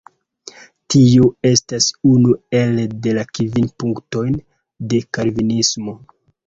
Tiu estas unu el de la Kvin punktoj de Kalvinismo.